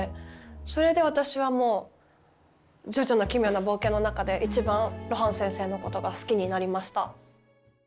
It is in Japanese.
それで私はもう「ジョジョの奇妙な冒険」の中で一番露伴先生のことが好きになりました。